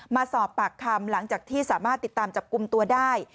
มาสอบปากคำหลังจากที่สามารถติดตามจับกลุ่มตัวได้